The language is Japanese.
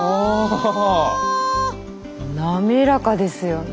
滑らかですよね。